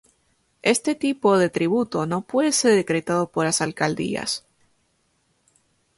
Este tipo de tributo no puede ser decretado por las alcaldías.